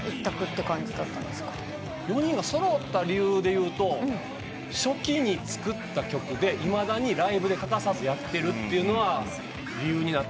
４人が揃った理由でいうと初期に作った曲でいまだにライブで欠かさずやってるというのは理由になってるかなとは思います。